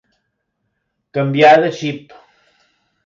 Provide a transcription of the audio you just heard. Canviar de xip.